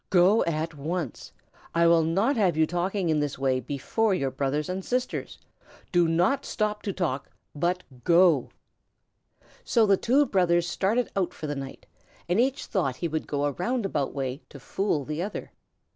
"Go at once. I will not have you talking in this way before your brothers and sisters. Do not stop to talk, but go!" So the two brothers started out for the night and each thought he would go a roundabout way to fool the other.